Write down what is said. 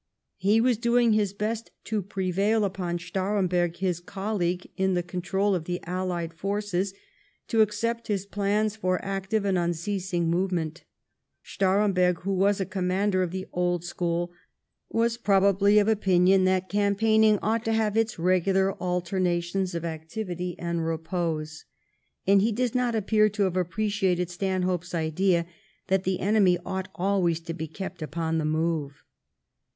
He was doing his best to prevail upon Starem berg, his colleague in the control of the allied forces, to accept his plans for active and unceasing move ment. Staremberg, who was a commander of the old school, was probably of opinion that campaigning ought to have its regular alternations of activity and repose, and he does not appear to have appreciated Stanhope's idea that the enemy ought always to be kept upon the move.